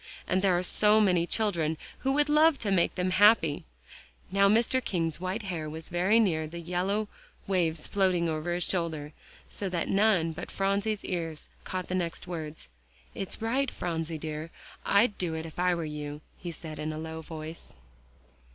And there are so many children who would love them and make them happy." Now Mr. King's white hair was very near the yellow waves floating over his shoulder, so that none but Phronsie's ears caught the next words. "It's right, Phronsie dear; I'd do it if I were you," he said in a low voice.